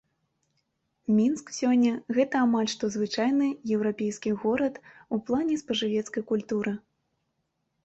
Мінск сёння гэта амаль што звычайны еўрапейскі горад у плане спажывецкай культуры.